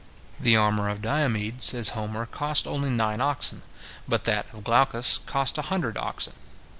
The armour of Diomede, says Homer, cost only nine oxen; but that of Glaucus cost a hundred oxen.